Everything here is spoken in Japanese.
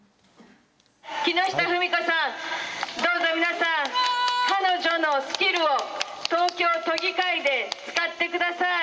木下富美子さん、どうぞ皆さん、彼女のスキルを東京都議会で使ってください。